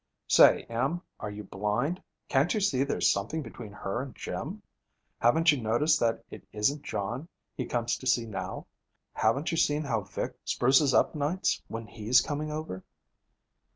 'Say, Em, are you blind? Can't you see there's something between her and Jim? Haven't you noticed that it isn't John he comes to see now? Haven't you seen how Vic spruces up nights when, he's coming over?'